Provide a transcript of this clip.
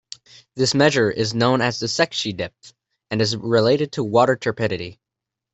This measure is known as the Secchi depth and is related to water turbidity.